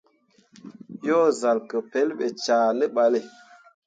Yo zal ke pelɓe cea ne ɓalle.